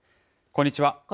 こんにちは。